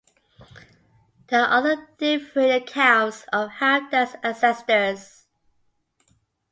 There are other differing accounts of Halfdan's ancestors.